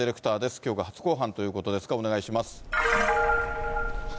きょうが初公判ということですが、お願いします。